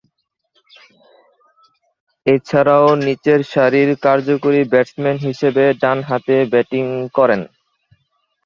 এছাড়াও, নিচের সারির কার্যকরী ব্যাটসম্যান হিসেবে ডানহাতে ব্যাটিং করেন।